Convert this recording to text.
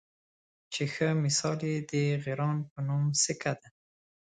چې ښۀ مثال یې د غران پۀ نوم سیکه ده